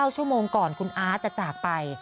ชั่วโมงก่อนคุณอาร์ตจะจากไป